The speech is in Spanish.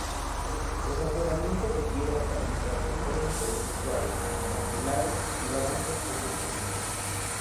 Los afloramientos de piedra caliza conforman colinas suaves, acantilados y barrancos poco profundos.